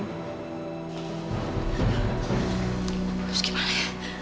terus gimana ya